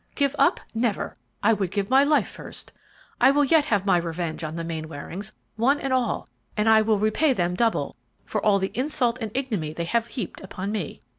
"Give up? Never! I would give my life first! I will yet have my revenge on the Mainwarings, one and all; and I will repay them double for all the insult and ignominy they have heaped upon me."